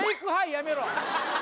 やめろ